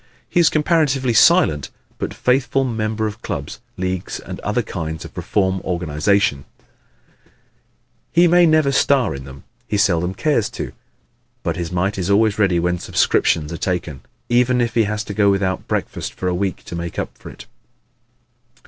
He is a comparatively silent but faithful member of clubs, leagues and other kinds of reform organizations. He may never star in them. He seldom cares to. But his mite is always ready when subscriptions are taken, even if he has to go without breakfast for a week to make up for it.